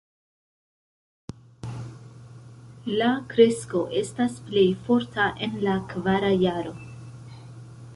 La kresko estas plej forta en la kvara jaro.